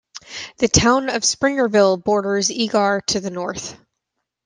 The town of Springerville borders Eagar to the north.